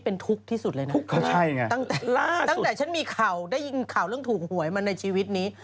ตั้งแต่ฉันมีข่าวได้ยินข่าวเรื่องถูกหวยมาในชีวิตนี้